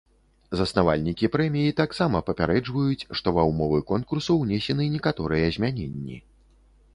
Заснавальнікі прэміі таксама папярэджваюць, што ва ўмовы конкурсу ўнесены некаторыя змяненні.